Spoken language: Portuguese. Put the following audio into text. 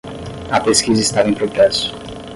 A pesquisa estava em progresso.